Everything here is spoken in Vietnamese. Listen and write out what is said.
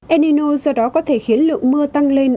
el nino do đó có thể khiến lượng mưa tăng lên